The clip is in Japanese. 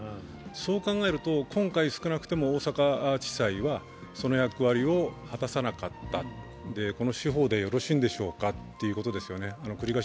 そう考えると、今回少なくとも大阪地裁はその役割を果たさなかった、この司法でよろしいんでしょうかということですよね。